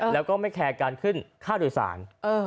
และไม่แคร์การขึ้นค่าโดยศาล